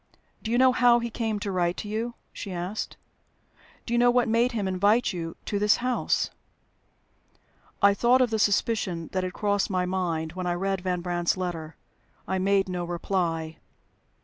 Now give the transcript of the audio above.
"Do you know how he came to write to you?" she asked. "Do you know what made him invite you to this house?" I thought of the suspicion that had crossed my mind when I read Van Brandt's letter. I made no reply.